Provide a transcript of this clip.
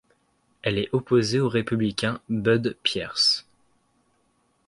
Elle est opposée au républicain Bud Pierce.